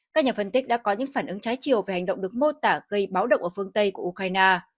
các nhà phân tích đã có những phản ứng trái chiều về hành động được mô tả gây báo động ở phương tây của ukraine